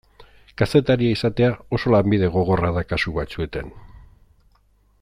Kazetaria izatea oso lanbide gogorra da kasu batzuetan.